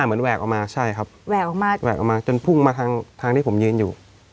อ่ะเหมือนแหวกออกมาใช่ครับแหวกออกมาจนพุ่งมาทางที่ผมยืนอยู่